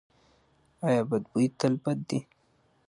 ایا بد بوی تل بد دی؟